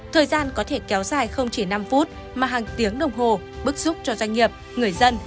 thời gian có thể kéo dài không chỉ năm phút mà hàng tiếng đồng hồ bức xúc cho doanh nghiệp người dân